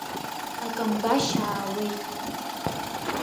Акамбашь аауеит.